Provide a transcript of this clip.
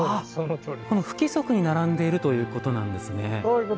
不規則に並んでいるということなんですね。